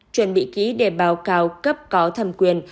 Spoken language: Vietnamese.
chuẩn bị ký để báo cáo cấp có thẩm quyết